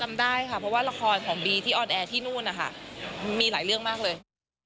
จำได้ค่ะเพราะว่าละครของบีที่ออนแอร์ที่นู่นนะคะมีหลายเรื่องมากเลย